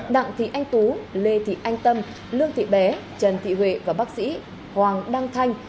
đặng thị anh tú lê thị anh tâm lương thị bé trần thị huệ và bác sĩ hoàng đăng thanh